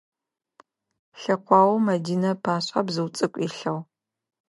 Лъэкъуаоу Мэдинэ ыпашъхьэ бзыу цӏыкӏу илъыгъ.